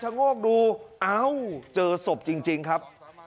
ชะโงคดูเอาเจอศบจริงจริงครับ